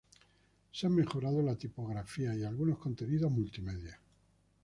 Se ha mejorado la tipografía y algunos contenidos multimedia.